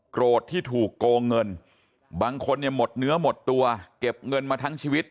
ที่ถูกโกงเงินบางคนเนี่ยหมดเนื้อหมดตัวเก็บเงินมาทั้งชีวิต